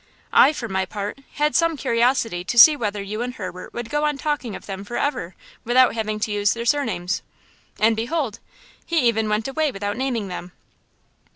I, for my part, had some curiosity to see whether you and Herbert would go on talking of them forever without having to use their surnames. And, behold, he even went away without naming them!"